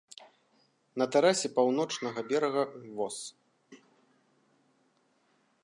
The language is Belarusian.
На тэрасе паўночнага берага воз.